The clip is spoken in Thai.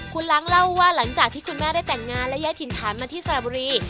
คุณล้างเล่าว่าหลังจากที่คุณแม่ได้แต่งงานและย้ายถิ่นฐานมาที่สระบุรี